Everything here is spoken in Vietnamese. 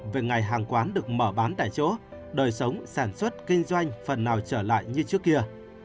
về ngày hàng quán được mở bán tại chỗ đời sống sản xuất kinh doanh phần nào trở lại như trước kia